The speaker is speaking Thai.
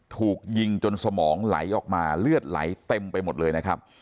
ถูกยิงจนสมองไหลออกมาเลือดไหลเต็มไปหมดเลยนะครับ